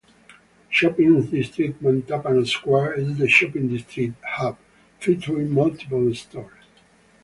Shopping Districts- Mattapan Square is the shopping district hub, featuring multiple stores.